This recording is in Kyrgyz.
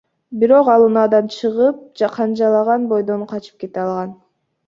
Бирок ал унаадан чыгып, канжалаган бойдон качып кете алган.